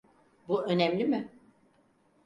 Bu önemli mi?